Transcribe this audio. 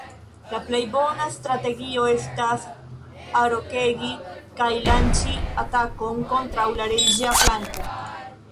La plej bona strategio estas arokegi kaj lanĉi atakon kontraŭ la reĝa flanko.